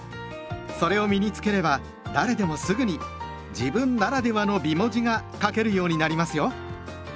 それを身に付ければ誰でもすぐに「自分ならではの美文字」が書けるようになりますよ。